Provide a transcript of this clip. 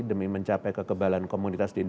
demi mencapai kekebalan komunitas